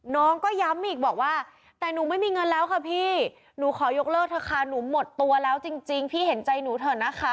น้องก็ย้ำอีกบอกว่าแต่หนูไม่มีเงินแล้วค่ะพี่หนูขอยกเลิกเถอะค่ะหนูหมดตัวแล้วจริงพี่เห็นใจหนูเถอะนะคะ